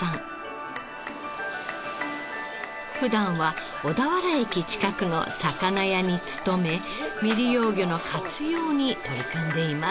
普段は小田原駅近くの魚屋に勤め未利用魚の活用に取り組んでいます。